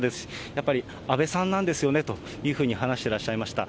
やっぱり安倍さんなんですよねと話してらっしゃいました。